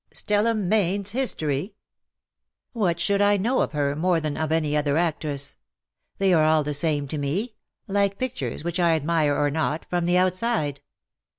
" Stella Mayne's history V '^What should I know of her more than of any other actress ? They are all the same to me, like pictures, which I admire or not, from the outside.